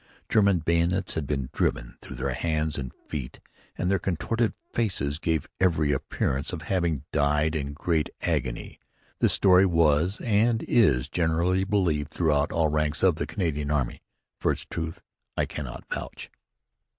German bayonets had been driven through their hands and feet and their contorted faces gave every appearance of their having died in great agony. This story was and is generally believed throughout all ranks of the Canadian Army. For its truth I cannot vouch.